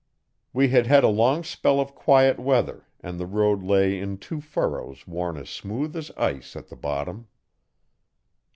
We had had a long spell of quiet weather and the road lay in two furrows worn as smooth as ice at the bottom.